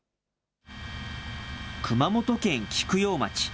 熊本県菊陽町。